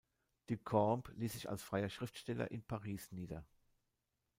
Du Camp ließ sich als freier Schriftsteller in Paris nieder.